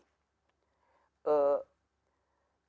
yalah aku ibadah ya allah